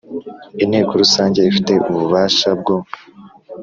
Inteko rusange ifite ububasha bwo